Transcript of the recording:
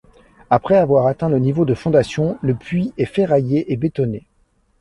Après avoir atteint le niveau de fondation, le puits est ferraillé et bétonné.